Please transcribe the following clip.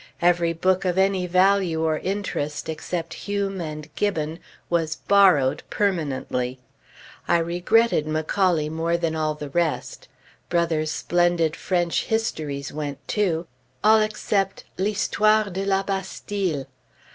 Every book of any value or interest, except Hume and Gibbon, was "borrowed" permanently. I regretted Macaulay more than all the rest. Brother's splendid French histories went, too; all except "L'Histoire de la Bastille."